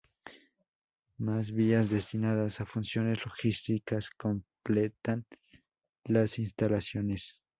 Más vías destinadas a funciones logísticas completan las instalaciones.